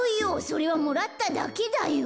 それはもらっただけだよ。